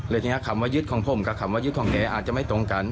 ทีนี้คำว่ายึดของผมกับคำว่ายึดของแกอาจจะไม่ตรงกัน